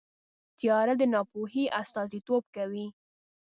تیاره د ناپوهۍ استازیتوب کوي.